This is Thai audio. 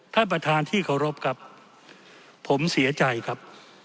ท่านประธานที่เคารพครับผมเสียใจครับ